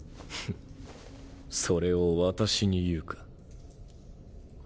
フッそれを私に言うか。